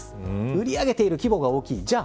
売り上げている規模が大きい。